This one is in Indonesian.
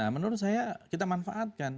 menurut saya kita manfaatkan